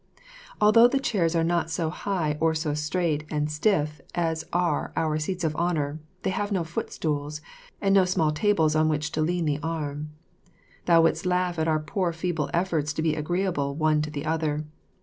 Although the chairs are not so high or so straight and stiff as are our seats of honour, they have no footstools, and no small tables on which to lean the arm. Thou wouldst laugh at our poor feeble efforts to be agreeable one to the other.